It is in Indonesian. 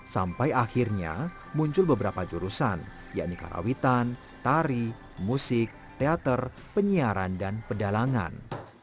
sampai akhirnya muncul beberapa jurusan yakni karawitan tari musik teater penyiaran dan pedalangan